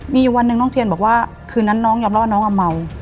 มีวันหนึ่งน้องเทียนบอกว่าคืนนั้นน้องยอมรอดน้องเมา